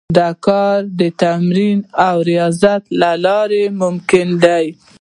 دا کار د تمرين او رياضت له لارې ممکن دی.